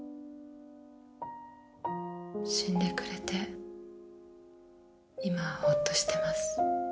死んでくれて今はホッとしてます。